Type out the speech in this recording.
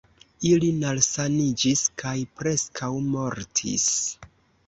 Ili nalsaniĝis kaj preskaŭ mortis.